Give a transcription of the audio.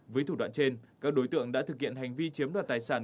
với thủ đoạn trên các đối tượng đã thực hiện hành vi chiếm đoạt tài sản